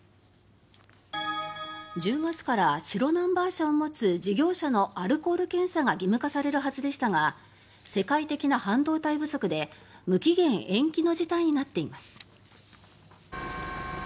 １０月から白ナンバー車を持つ事業者のアルコール検査が義務化されるはずでしたが世界的な半導体不足で無期限延期の事態になっています。